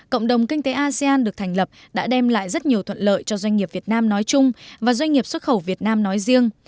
cộng đồng kinh tế asean được thành lập đã đem lại rất nhiều thuận lợi cho doanh nghiệp việt nam nói chung và doanh nghiệp xuất khẩu việt nam nói riêng